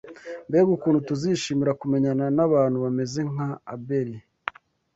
Mbega ukuntu tuzishimira kumenyana n’abantu bameze nka Abeli!